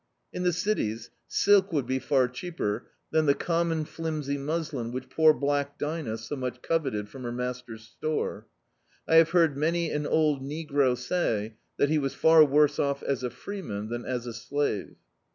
In the cities, stlk would be far cheaper than the common flimsy muslin which poor black Dinah so much coveted from her master's store. I have heard many an old negro say that be was far worse off as a freeman than as a slave.